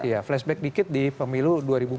iya flashback dikit di pemilu dua ribu empat belas